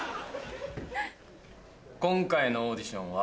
今回のオーディションは。